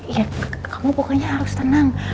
ya kamu pokoknya harus tenang